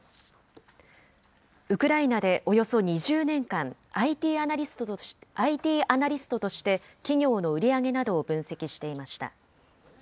ウクライナでおよそ２０年間、ＩＴアナリストとして、企業の売り上げなどを分析していました。